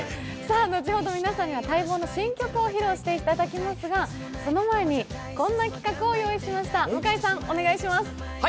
後ほど皆さんには待望の新曲を披露していただきますがその前にこんな企画を用意しました、向井さん、お願いします。